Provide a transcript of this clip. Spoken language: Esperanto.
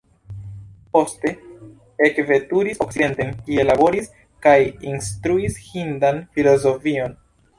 Poste ekveturis okcidenten kie laboris kaj instruis hindan filozofion.